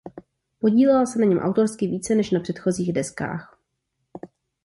Podílela se na něm autorsky více než na předchozích deskách.